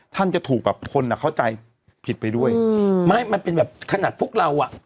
ท่านจะถูกแบบคนอ่ะเข้าใจผิดไปด้วยอืมไม่มันเป็นแบบขนาดพวกเราอ่ะ